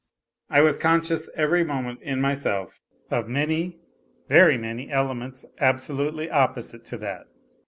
I was conscious every moment in myself of many, very many elements absolutely opposite to that.